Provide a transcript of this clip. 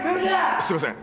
すいません。